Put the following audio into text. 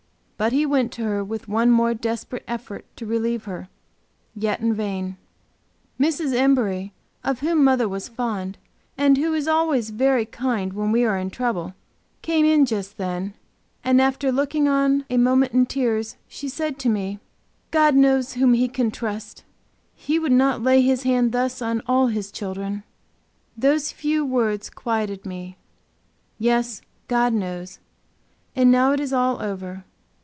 But he went to her with one more desperate effort to relieve her, yet in vain. Mrs. Embury, of whom mother was fond, and who is always very kind when we are in trouble, came in just then, and after looking on a moment in tears she said to me: "God knows whom He can trust! He would not lay His hand thus on all His children." Those few words quieted me. Yes, God knows. And now it is all over.